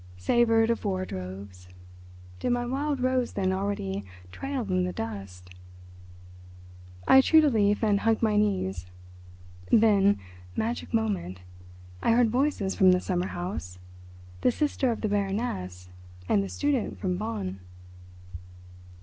Savoured of wardrobes. Did my wild rose then already trail in the dust? I chewed a leaf and hugged my knees. Then—magic moment—I heard voices from the summer house, the sister of the Baroness and the student from Bonn.